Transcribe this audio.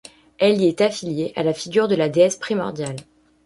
Elle y est affiliée à la figure de la Déesse Primordiale.